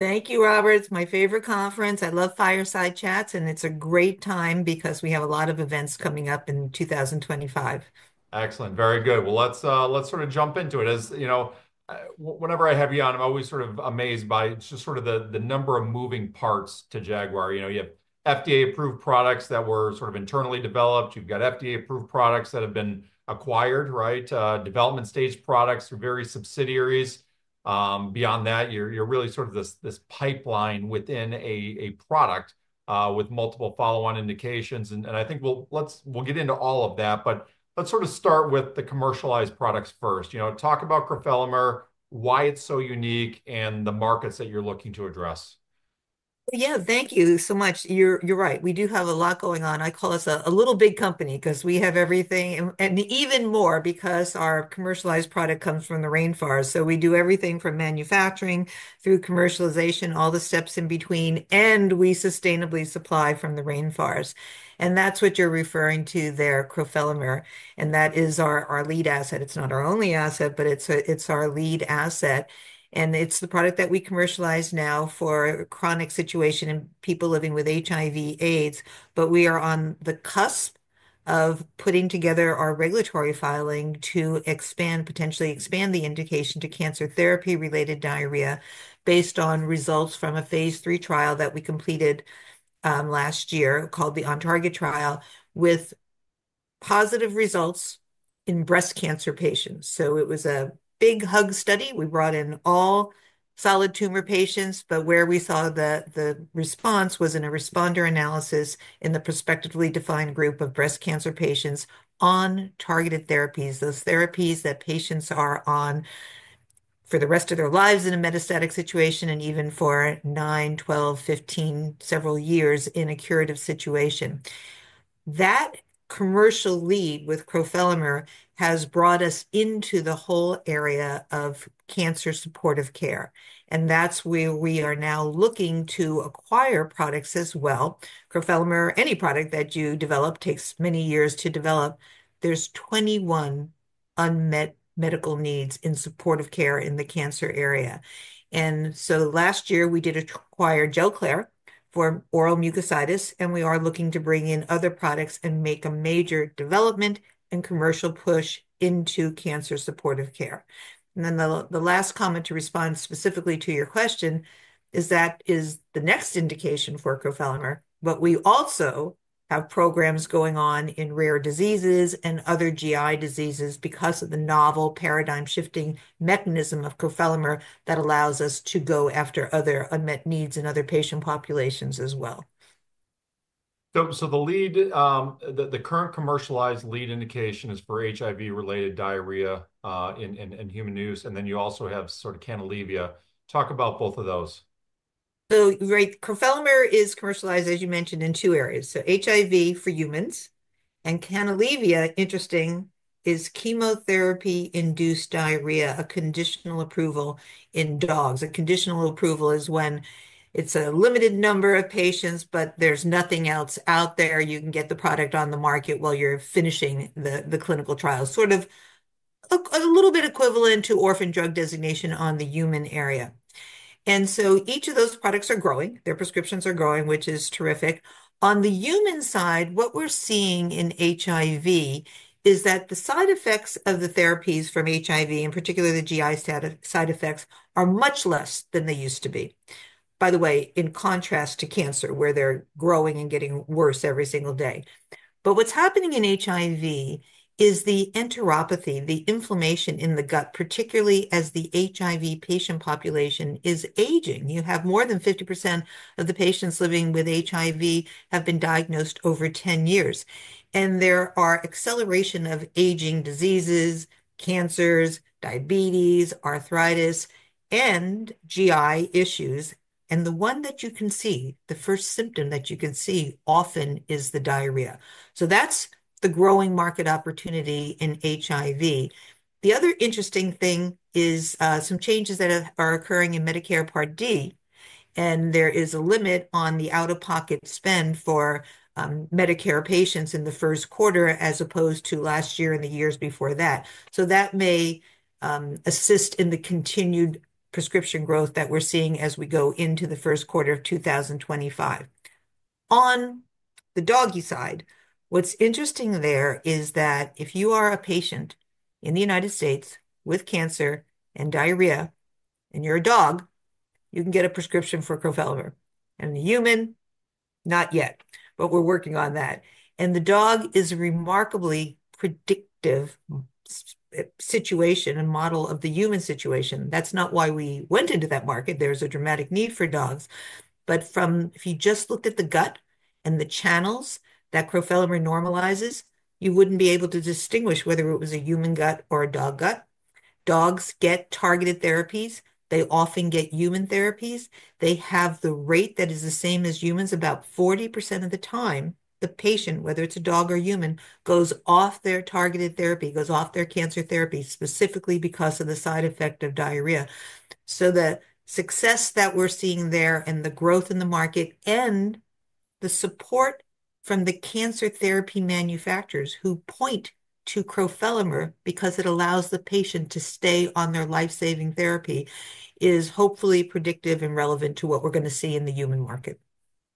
Thank you, Robert. It's my favorite conference. I love fireside chats, and it's a great time because we have a lot of events coming up in 2025. Excellent. Very good. Well, let's sort of jump into it. As you know, whenever I have you on, I'm always sort of amazed by just sort of the number of moving parts to Jaguar. You know, you have FDA-approved products that were sort of internally developed. You've got FDA-approved products that have been acquired, right? Development-stage products through various subsidiaries. Beyond that, you're really sort of this pipeline within a product with multiple follow-on indications, and I think we'll get into all of that, but let's sort of start with the commercialized products first. You know, talk about crofelemer, why it's so unique, and the markets that you're looking to address. Yeah, thank you so much. You're right. We do have a lot going on. I call us a little big company because we have everything, and even more because our commercialized product comes from the rainforest. So we do everything from manufacturing through commercialization, all the steps in between, and we sustainably supply from the rainforest. And that's what you're referring to there, crofelemer. And that is our lead asset. It's not our only asset, but it's our lead asset. And it's the product that we commercialize now for chronic situations and people living with HIV/AIDS. But we are on the cusp of putting together our regulatory filing to potentially expand the indication to cancer therapy-related diarrhea based on results from a phase III trial that we completed last year called the OnTarget trial with positive results in breast cancer patients. So it was a huge study. We brought in all solid tumor patients, but where we saw the response was in a responder analysis in the prospectively defined group of breast cancer patients on targeted therapies, those therapies that patients are on for the rest of their lives in a metastatic situation and even for nine, 12, 15, several years in a curative situation. That commercial lead with crofelemer has brought us into the whole area of cancer supportive care. And that's where we are now looking to acquire products as well. Crofelemer, any product that you develop, takes many years to develop. There's 21 unmet medical needs in supportive care in the cancer area. And so last year, we did acquire Gelclair for oral mucositis, and we are looking to bring in other products and make a major development and commercial push into cancer supportive care. Then the last comment to respond specifically to your question is, that is the next indication for crofelemer, but we also have programs going on in rare diseases and other GI diseases because of the novel paradigm-shifting mechanism of crofelemer that allows us to go after other unmet needs in other patient populations as well. The current commercialized lead indication is for HIV-related diarrhea in human use. And then you also have sort of Canalevia. Talk about both of those. Right, crofelemer is commercialized, as you mentioned, in two areas. HIV for humans and Canalevia, interesting, is chemotherapy-induced diarrhea, a conditional approval in dogs. A conditional approval is when it's a limited number of patients, but there's nothing else out there. You can get the product on the market while you're finishing the clinical trial, sort of a little bit equivalent to orphan drug designation on the human area. And so each of those products are growing. Their prescriptions are growing, which is terrific. On the human side, what we're seeing in HIV is that the side effects of the therapies from HIV, in particular the GI side effects, are much less than they used to be, by the way, in contrast to cancer, where they're growing and getting worse every single day. But what's happening in HIV is the enteropathy, the inflammation in the gut, particularly as the HIV patient population is aging. You have more than 50% of the patients living with HIV have been diagnosed over 10 years. And there are acceleration of aging diseases, cancers, diabetes, arthritis, and GI issues. And the one that you can see, the first symptom that you can see often is the diarrhea. So that's the growing market opportunity in HIV. The other interesting thing is some changes that are occurring in Medicare Part D, and there is a limit on the out-of-pocket spend for Medicare patients in the first quarter as opposed to last year and the years before that. So that may assist in the continued prescription growth that we're seeing as we go into the first quarter of 2025. On the doggy side, what's interesting there is that if you are a patient in the United States with cancer and diarrhea and you're a dog, you can get a prescription for crofelemer. And the human, not yet, but we're working on that. And the dog is a remarkably predictive situation and model of the human situation. That's not why we went into that market. There's a dramatic need for dogs. But if you just looked at the gut and the channels that crofelemer normalizes, you wouldn't be able to distinguish whether it was a human gut or a dog gut. Dogs get targeted therapies. They often get human therapies. They have the rate that is the same as humans. About 40% of the time, the patient, whether it's a dog or human, goes off their targeted therapy, goes off their cancer therapy specifically because of the side effect of diarrhea. So the success that we're seeing there and the growth in the market and the support from the cancer therapy manufacturers who point to crofelemer because it allows the patient to stay on their lifesaving therapy is hopefully predictive and relevant to what we're going to see in the human market.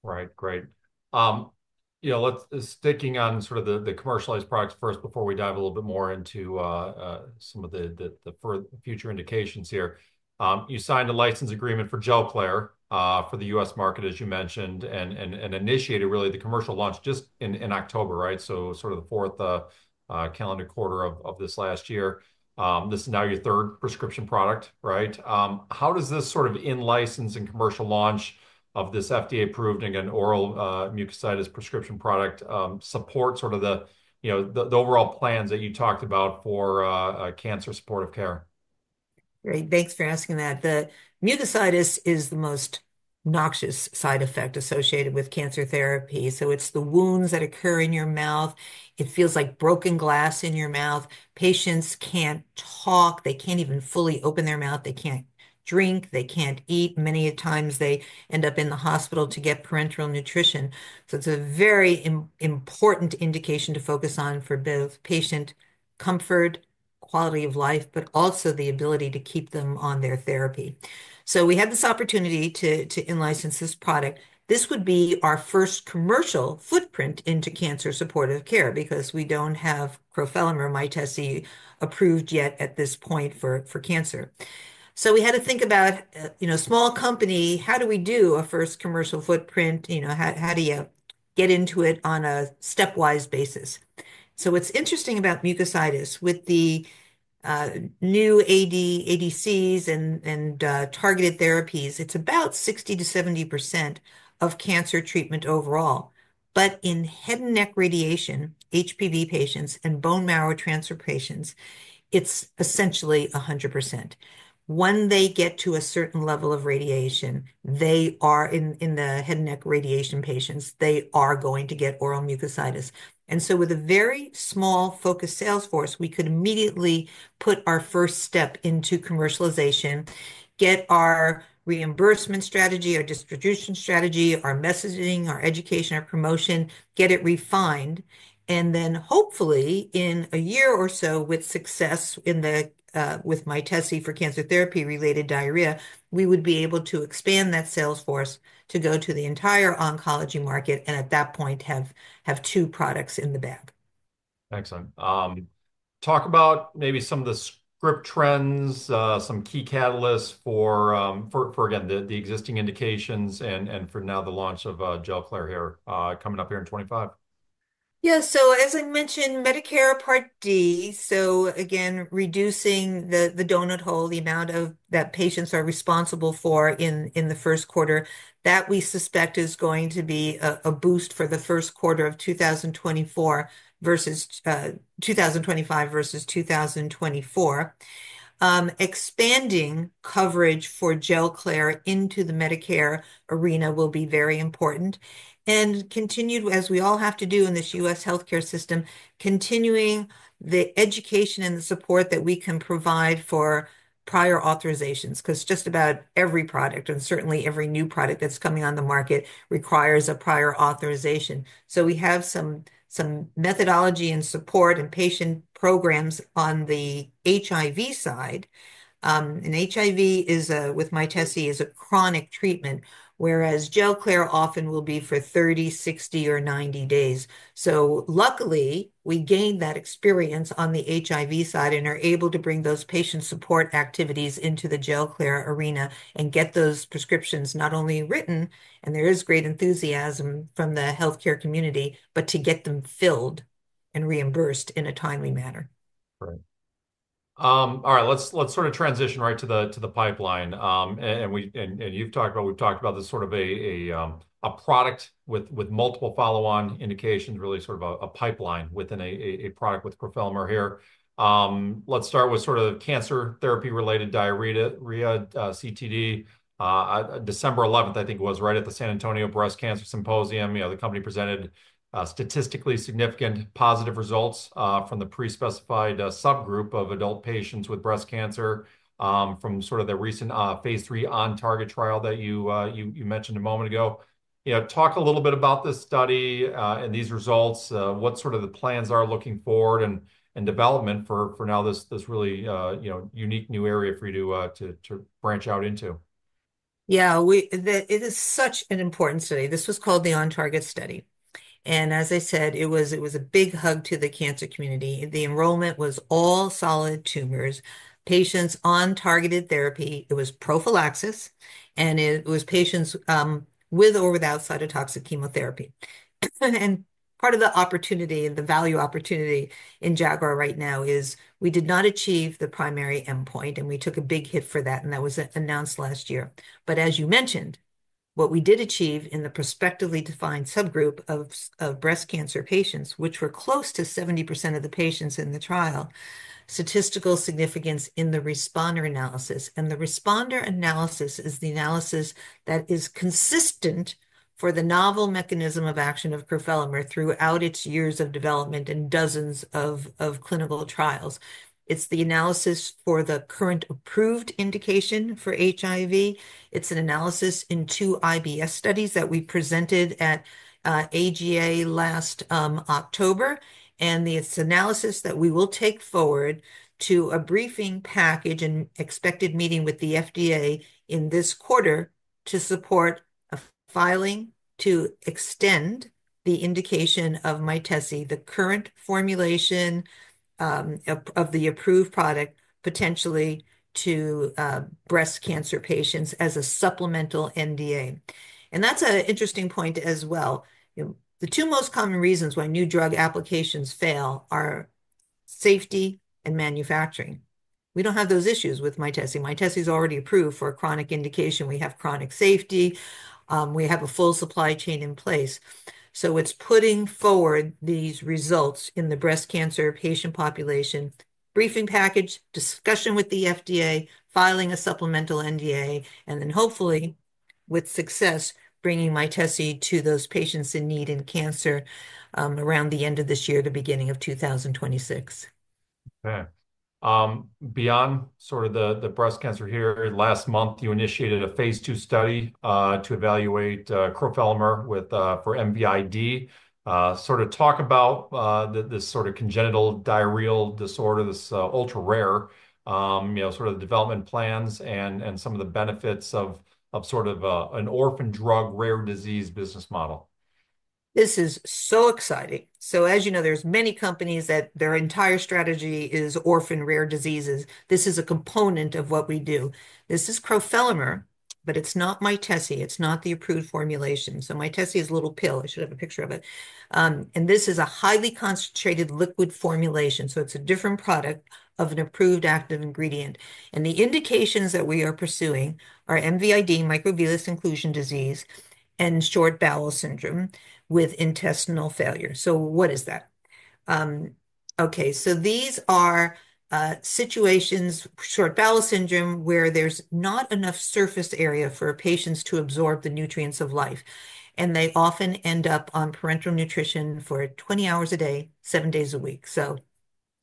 Right. Great. You know, sticking on sort of the commercialized products first before we dive a little bit more into some of the future indications here, you signed a license agreement for Gelclair for the U.S. market, as you mentioned, and initiated really the commercial launch just in October, right? So sort of the fourth calendar quarter of this last year. This is now your third prescription product, right? How does this sort of in-license and commercial launch of this FDA-approved and again, oral mucositis prescription product support sort of the overall plans that you talked about for cancer supportive care? Great. Thanks for asking that. The mucositis is the most noxious side effect associated with cancer therapy. So it's the wounds that occur in your mouth. It feels like broken glass in your mouth. Patients can't talk. They can't even fully open their mouth. They can't drink. They can't eat. Many times they end up in the hospital to get parenteral nutrition. So it's a very important indication to focus on for both patient comfort, quality of life, but also the ability to keep them on their therapy. So we had this opportunity to in-license this product. This would be our first commercial footprint into cancer supportive care because we don't have crofelemer, Mytesi approved yet at this point for cancer. So we had to think about, you know, small company, how do we do a first commercial footprint? You know, how do you get into it on a stepwise basis? So what's interesting about mucositis with the new ADCs and targeted therapies, it's about 60%-70% of cancer treatment overall. But in head and neck radiation, HPV patients and bone marrow transfer patients, it's essentially 100%. When they get to a certain level of radiation, they are in the head and neck radiation patients, they are going to get oral mucositis. And so with a very small focus salesforce, we could immediately put our first step into commercialization, get our reimbursement strategy, our distribution strategy, our messaging, our education, our promotion, get it refined. And then hopefully in a year or so with success with Mytesi for cancer therapy-related diarrhea, we would be able to expand that salesforce to go to the entire oncology market and at that point have two products in the bag. Excellent. Talk about maybe some of the scrip trends, some key catalysts for, again, the existing indications and for now the launch of Gelclair here coming up here in 2025. Yeah. So as I mentioned, Medicare Part D, so again, reducing the donut hole, the amount of that patients are responsible for in the first quarter, that we suspect is going to be a boost for the first quarter of 2024 versus 2025 versus 2024. Expanding coverage for Gelclair into the Medicare arena will be very important. And continued, as we all have to do in this U.S. healthcare system, continuing the education and the support that we can provide for prior authorizations because just about every product and certainly every new product that's coming on the market requires a prior authorization. So we have some methodology and support and patient programs on the HIV side. And HIV with Mytesi is a chronic treatment, whereas Gelclair often will be for 30, 60, or 90 days. So luckily, we gained that experience on the HIV side and are able to bring those patient support activities into the Gelclair arena and get those prescriptions not only written, and there is great enthusiasm from the healthcare community, but to get them filled and reimbursed in a timely manner. Right. All right. Let's sort of transition right to the pipeline, and you've talked about, we've talked about this sort of a product with multiple follow-on indications, really sort of a pipeline within a product with crofelemer here. Let's start with sort of cancer therapy-related diarrhea, CTD. December 11th, I think it was, right at the San Antonio Breast Cancer Symposium, you know, the company presented statistically significant positive results from the pre-specified subgroup of adult patients with breast cancer from sort of the recent phase III OnTarget trial that you mentioned a moment ago. Talk a little bit about this study and these results, what sort of the plans are looking forward and development for now this really unique new area for you to branch out into. Yeah, it is such an important study. This was called the OnTarget study. And as I said, it was a big hug to the cancer community. The enrollment was all solid tumors, patients on targeted therapy. It was prophylaxis, and it was patients with or without cytotoxic chemotherapy. And part of the opportunity, the value opportunity in Jaguar right now is we did not achieve the primary endpoint, and we took a big hit for that, and that was announced last year. But as you mentioned, what we did achieve in the prospectively defined subgroup of breast cancer patients, which were close to 70% of the patients in the trial, statistical significance in the responder analysis. And the responder analysis is the analysis that is consistent for the novel mechanism of action of crofelemer throughout its years of development and dozens of clinical trials. It's the analysis for the current approved indication for HIV. It's an analysis in two IBS studies that we presented at AGA last October, and it's analysis that we will take forward to a briefing package and expected meeting with the FDA in this quarter to support a filing to extend the indication of Mytesi, the current formulation of the approved product potentially to breast cancer patients as a supplemental NDA, and that's an interesting point as well. The two most common reasons why new drug applications fail are safety and manufacturing. We don't have those issues with Mytesi. Mytesi is already approved for a chronic indication. We have chronic safety. We have a full supply chain in place. So it's putting forward these results in the breast cancer patient population, briefing package, discussion with the FDA, filing a supplemental NDA, and then hopefully with success, bringing Mytesi to those patients in need in cancer around the end of this year, the beginning of 2026. Okay. Beyond sort of the breast cancer here, last month, you initiated a phase II study to evaluate crofelemer for MVID. Sort of talk about this sort of congenital diarrheal disorder, this ultra-rare, sort of development plans and some of the benefits of sort of an orphan drug rare disease business model. This is so exciting. So as you know, there's many companies that their entire strategy is orphan rare diseases. This is a component of what we do. This is crofelemer, but it's not Mytesi. It's not the approved formulation. So Mytesi is a little pill. I should have a picture of it. And this is a highly concentrated liquid formulation. So it's a different product of an approved active ingredient. And the indications that we are pursuing are MVID, microvillus inclusion disease, and short bowel syndrome with intestinal failure. So what is that? Okay. So these are situations, short bowel syndrome, where there's not enough surface area for patients to absorb the nutrients of life. And they often end up on parenteral nutrition for 20 hours a day, seven days a week. So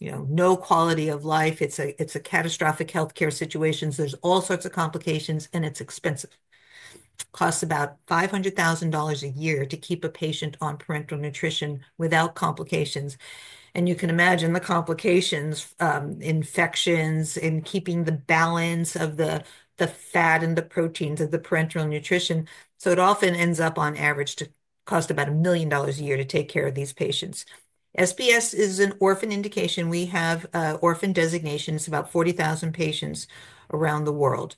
no quality of life. It's a catastrophic healthcare situation. There's all sorts of complications, and it's expensive. Costs about $500,000 a year to keep a patient on parenteral nutrition without complications, and you can imagine the complications, infections in keeping the balance of the fat and the proteins of the parenteral nutrition, so it often ends up on average to cost about $1,000,000 a year to take care of these patients. SBS is an orphan indication. We have orphan designations. It's about 40,000 patients around the world.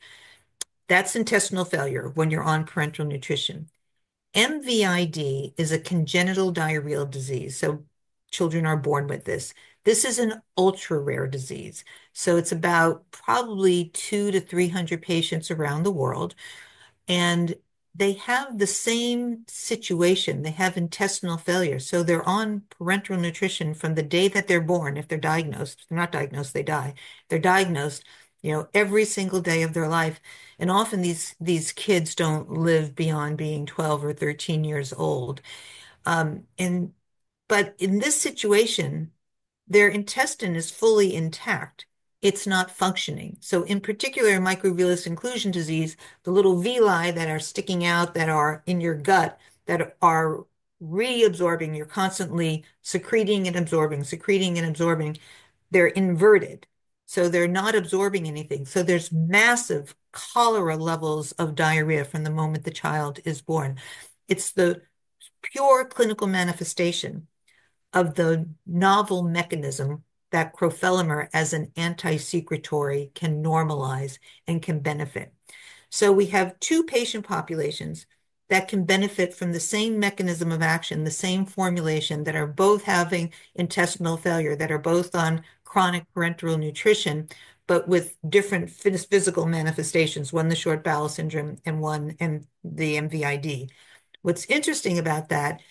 That's intestinal failure when you're on parenteral nutrition. MVID is a congenital diarrheal disease, so children are born with this. This is an ultra rare disease, so it's about probably 200 to 300 patients around the world, and they have the same situation. They have intestinal failure, so they're on parenteral nutrition from the day that they're born, if they're diagnosed. If they're not diagnosed, they die. They're diagnosed every single day of their life. Often these kids don't live beyond being 12 or 13 years old. In this situation, their intestine is fully intact. It's not functioning. In particular, microvillus inclusion disease, the little villi that are sticking out that are in your gut that are reabsorbing, you're constantly secreting and absorbing, secreting and absorbing, they're inverted. They're not absorbing anything. There's massive cholera levels of diarrhea from the moment the child is born. It's the pure clinical manifestation of the novel mechanism that crofelemer as an anti-secretory can normalize and can benefit. We have two patient populations that can benefit from the same mechanism of action, the same formulation that are both having intestinal failure, that are both on chronic parenteral nutrition, but with different physical manifestations, one the short bowel syndrome and one the MVID. What's interesting about that,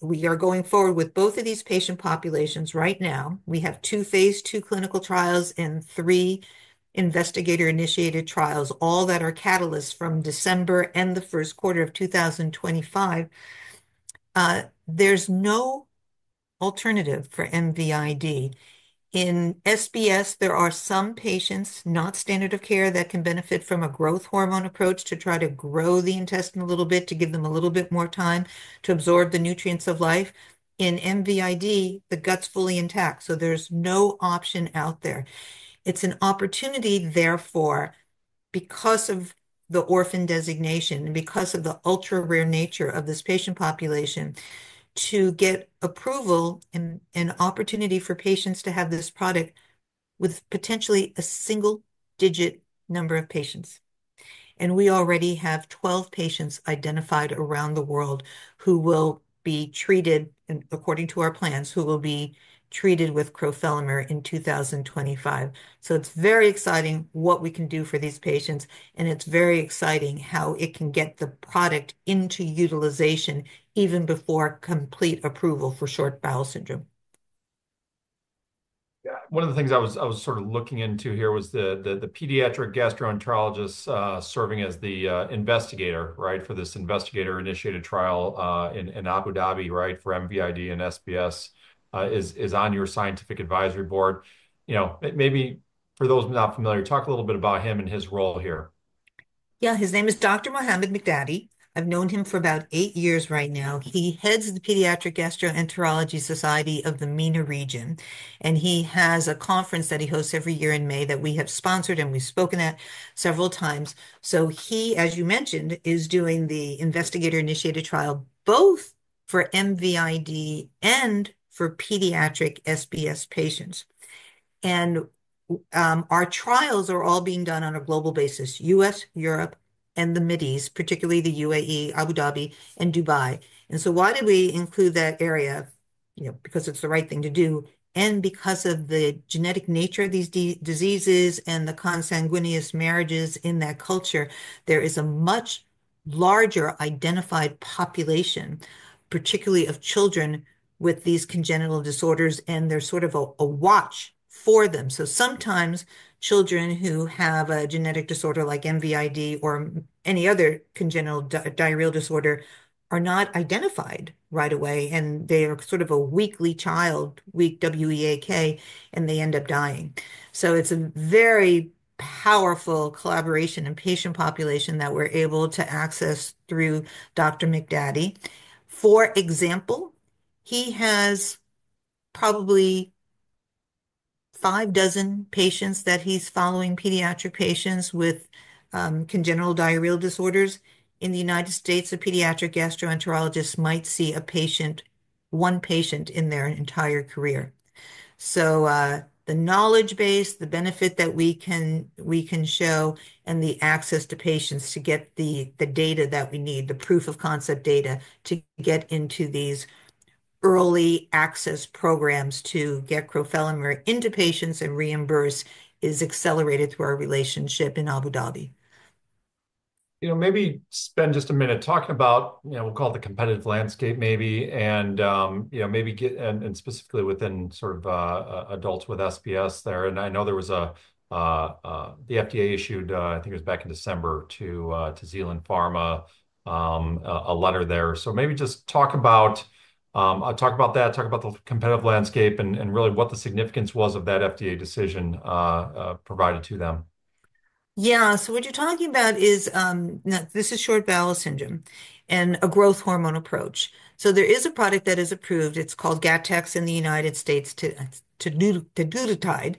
we are going forward with both of these patient populations right now. We have two phase II clinical trials and three investigator-initiated trials, all that are catalysts from December and the first quarter of 2025. There's no alternative for MVID. In SBS, there are some patients, not standard of care, that can benefit from a growth hormone approach to try to grow the intestine a little bit to give them a little bit more time to absorb the nutrients of life. In MVID, the gut's fully intact. So there's no option out there. It's an opportunity, therefore, because of the orphan designation and because of the ultra rare nature of this patient population, to get approval and opportunity for patients to have this product with potentially a single digit number of patients. We already have 12 patients identified around the world who will be treated, and according to our plans, who will be treated with crofelemer in 2025. It's very exciting what we can do for these patients. It's very exciting how it can get the product into utilization even before complete approval for short bowel syndrome. Yeah. One of the things I was sort of looking into here was the pediatric gastroenterologist serving as the investigator, right, for this investigator-initiated trial in Abu Dhabi, right, for MVID and SBS is on your scientific advisory board. Maybe for those not familiar, talk a little bit about him and his role here. Yeah. His name is Dr. Mohamad Miqdady. I've known him for about eight years right now. He heads the Pediatric Gastroenterology Society of the MENA region. And he has a conference that he hosts every year in May that we have sponsored and we've spoken at several times. So he, as you mentioned, is doing the investigator-initiated trial both for MVID and for pediatric SBS patients. And our trials are all being done on a global basis, U.S., Europe, and the Mideast, particularly the UAE, Abu Dhabi, and Dubai. And so why did we include that area? Because it's the right thing to do. And because of the genetic nature of these diseases and the consanguineous marriages in that culture, there is a much larger identified population, particularly of children with these congenital disorders, and there's sort of a watch for them. So sometimes children who have a genetic disorder like MVID or any other congenital diarrheal disorder are not identified right away, and they are sort of a weak child, and they end up dying. So it's a very powerful collaboration and patient population that we're able to access through Dr. Miqdady. For example, he has probably five dozen patients that he's following, pediatric patients with congenital diarrheal disorders. In the United States, a pediatric gastroenterologist might see a patient, one patient in their entire career. So the knowledge base, the benefit that we can show, and the access to patients to get the data that we need, the proof of concept data to get into these early access programs to get crofelemer into patients and reimburse is accelerated through our relationship in Abu Dhabi. Maybe spend just a minute talking about, we'll call it the competitive landscape maybe, and maybe get in specifically within sort of adults with SBS there. And I know there was the FDA issued, I think it was back in December to Zealand Pharma, a letter there. So maybe just talk about that, talk about the competitive landscape and really what the significance was of that FDA decision provided to them. Yeah. So what you're talking about is this is short bowel syndrome and a growth hormone approach. So there is a product that is approved. It's called Gattex in the United States, teduglutide.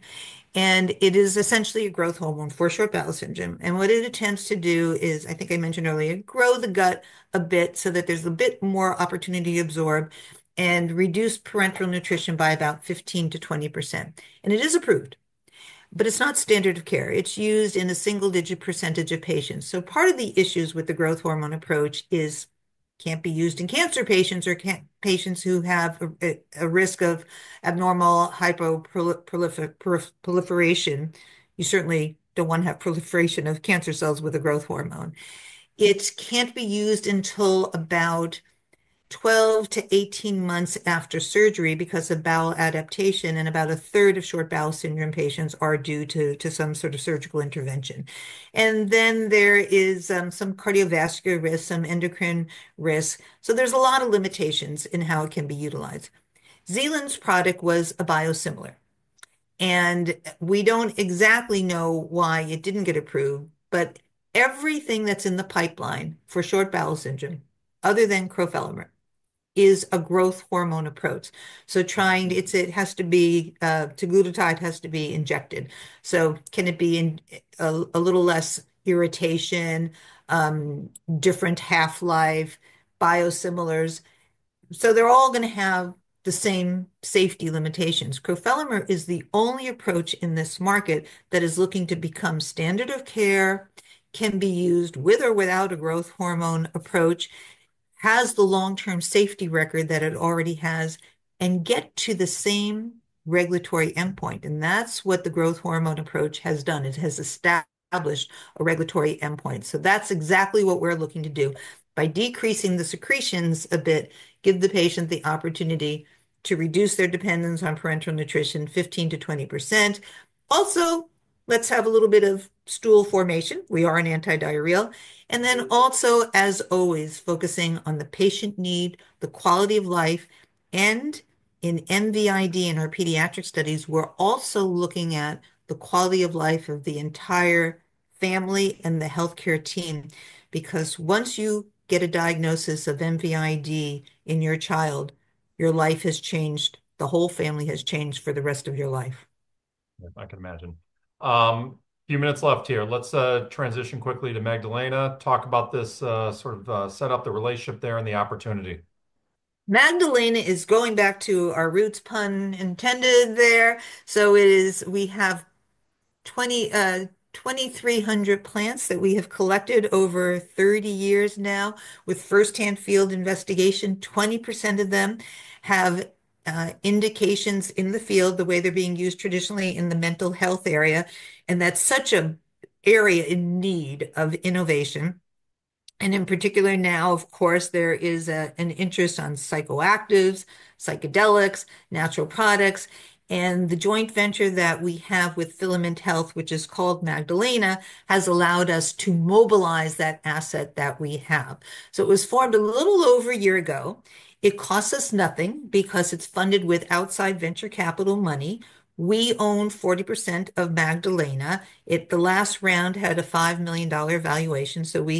And it is essentially a growth hormone for short bowel syndrome. And what it attempts to do is, I think I mentioned earlier, grow the gut a bit so that there's a bit more opportunity to absorb and reduce parenteral nutrition by about 15%-20%. And it is approved, but it's not standard of care. It's used in a single-digit percentage of patients. So part of the issues with the growth hormone approach is can't be used in cancer patients or patients who have a risk of abnormal hyperproliferation. You certainly don't want to have proliferation of cancer cells with a growth hormone. It can't be used until about 12 to 18 months after surgery because of bowel adaptation, and about a third of short bowel syndrome patients are due to some sort of surgical intervention. And then there is some cardiovascular risk, some endocrine risk. So there's a lot of limitations in how it can be utilized. Zealand's product was a biosimilar. And we don't exactly know why it didn't get approved, but everything that's in the pipeline for short bowel syndrome other than crofelemer is a growth hormone approach. So it has to be teduglutide has to be injected. So can it be a little less irritation, different half-life, biosimilars? So they're all going to have the same safety limitations. Crofelemer is the only approach in this market that is looking to become standard of care, can be used with or without a growth hormone approach, has the long-term safety record that it already has, and get to the same regulatory endpoint. And that's what the growth hormone approach has done. It has established a regulatory endpoint. So that's exactly what we're looking to do by decreasing the secretions a bit, give the patient the opportunity to reduce their dependence on parenteral nutrition 15%-20%. Also, let's have a little bit of stool formation. We are an anti-diarrheal. And then also, as always, focusing on the patient need, the quality of life. And in MVID and our pediatric studies, we're also looking at the quality of life of the entire family and the healthcare team. Because once you get a diagnosis of MVID in your child, your life has changed. The whole family has changed for the rest of your life. I can imagine. Few minutes left here. Let's transition quickly to Magdalena. Talk about this sort of set up the relationship there and the opportunity. Magdalena is going back to our roots, pun intended there. So we have 2,300 plants that we have collected over 30 years now with firsthand field investigation. 20% of them have indications in the field the way they're being used traditionally in the mental health area. And that's such an area in need of innovation. And in particular now, of course, there is an interest on psychoactives, psychedelics, natural products. And the joint venture that we have with Filament Health, which is called Magdalena, has allowed us to mobilize that asset that we have. So it was formed a little over a year ago. It costs us nothing because it's funded with outside venture capital money. We own 40% of Magdalena. The last round had a $5 million valuation. So we.